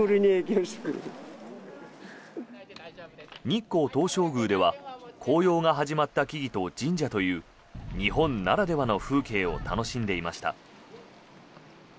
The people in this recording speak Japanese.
日光東照宮では紅葉が始まった木々と神社という日本ならではの風景を楽しんでいました。